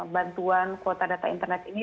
bantuan kuota data internet ini